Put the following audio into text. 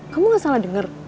kamu gak salah denger